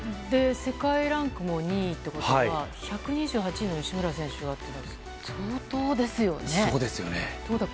世界ランキングも２位ということは１２８位の吉村選手ですから。